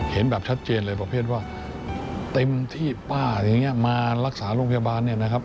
เห็นแบบชัดเจนอะไรประเภทว่าเต็มที่ป้าอย่างนี้มารักษาโรงพยาบาล